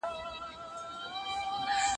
موچي ولي خبروې له خپله زوره